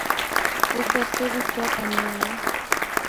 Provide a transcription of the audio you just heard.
اسے عرصے وچ چاء پانی آیا